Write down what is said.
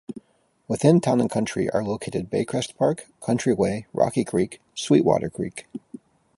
Within Town 'n' Country are located Bay Crest Park, Countryway, Rocky Creek, Sweetwater Creek.